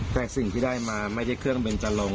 แต่สิ่งที่ได้มาไม่ได้เครื่องเบนจรง